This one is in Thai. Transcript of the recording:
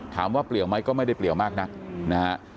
เปลี่ยวไหมก็ไม่ได้เปลี่ยวมากนักนะฮะ